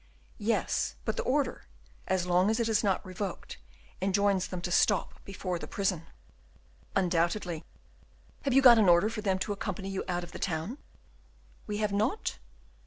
"Yes, but their order, as long as it is not revoked, enjoins them to stop before the prison." "Undoubtedly." "Have you got an order for them to accompany you out of the town?" "We have not?"